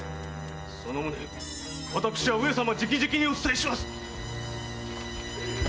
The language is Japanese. その旨私は上様直々にお伝えします！